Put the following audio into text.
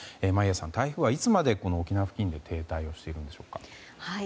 台風はいつまで、沖縄付近で停滞しているのでしょうか。